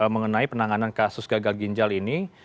mengenai penanganan kasus gagal ginjal ini